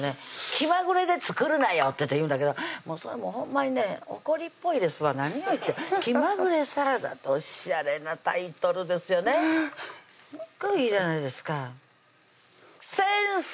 「気まぐれで作るなよ」って言うんだけどそれもうほんまにね怒りっぽいですわ「気まぐれサラダ」っておしゃれなタイトルですよねいいじゃないですか先生！